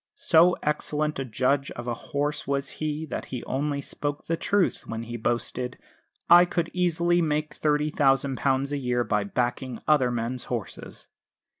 So excellent a judge of a horse was he that he only spoke the truth when he boasted, "I could easily make £30,000 a year by backing other men's horses."